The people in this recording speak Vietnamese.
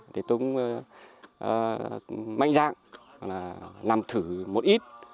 thì tôi cũng mạnh dạng làm thử một ít